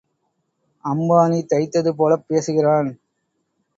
அம்பாணி தைத்தது போலப் பேசுகிறான்.